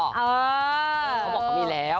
เขาบอกเขามีแล้ว